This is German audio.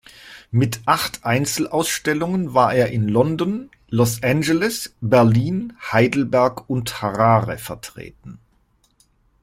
Mit acht Einzelausstellungen war er in London, Los Angeles, Berlin, Heidelberg und Harare vertreten.